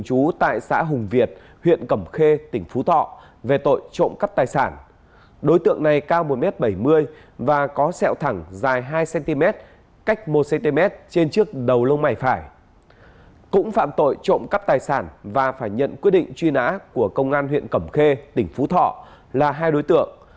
cũng phạm tội trộm cắp tài sản và phải nhận quyết định truy nã của công an huyện cẩm khê tỉnh phú thọ là hai đối tượng